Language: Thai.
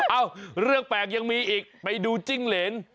เอ้าเรื่องแปลกยังมีอีกไปดูจิ้งเหรน